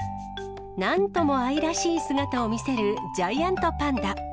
なんとも愛らしい姿を見せるジャイアントパンダ。